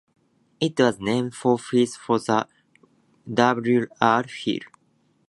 It was named for its founder, W. R. Hill.